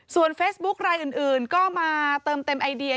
เฟซบุ๊ครายอื่นก็มาเติมเต็มไอเดีย